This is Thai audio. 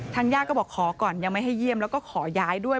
ญาติก็บอกขอก่อนยังไม่ให้เยี่ยมแล้วก็ขอย้ายด้วย